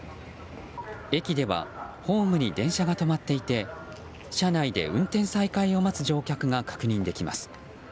駅ではホームに電車が止まっていて車内で運転再開を待つ乗客が確認できます。